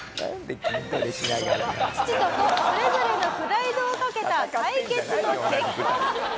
「父と子それぞれのプライドを懸けた対決の結果は」